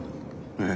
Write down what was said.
ええ。